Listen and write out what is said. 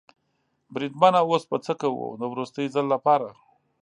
بریدمنه اوس به څه کوو؟ د وروستي ځل لپاره.